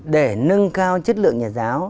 để nâng cao chất lượng nhà giáo